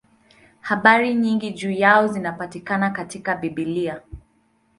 Habari nyingi juu yao zinapatikana katika Biblia.